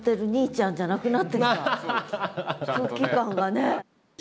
空気感がね。